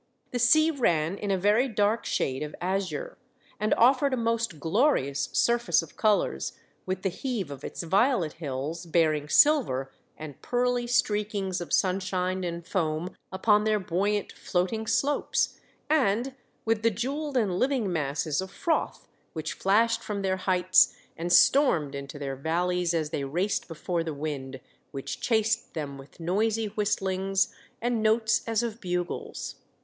The sea ran in a very dark shade of azure, and offered a most glorious surface of colours with the heave of its violet hills bearing silver and pearly streakings of sunshine and foam upon their buoyant floating slopes, and with the jewelled and living masses of froth which flashed from their heights and stormed into their valleys as they raced before the wind which chased them with noisy whistlings and notes WE TELL OUR LOVE AGAIN. 34 I as of bugles.